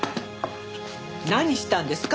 何したんですか？